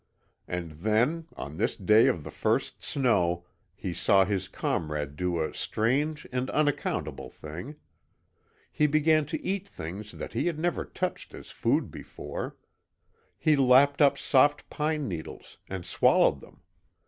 And then, on this day of the first snow, he saw his comrade do a strange and unaccountable thing. He began to eat things that he had never touched as food before. He lapped up soft pine needles, and swallowed them.